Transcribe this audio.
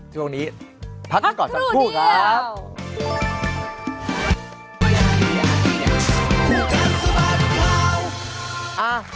ช่วงนี้พักกันก่อนสักครู่ครับ